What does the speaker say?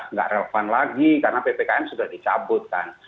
nggak relevan lagi karena ppkm sudah dicabut kan